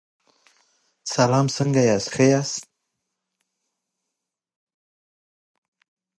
ازادي راډیو د اقتصاد په اړه د مسؤلینو نظرونه اخیستي.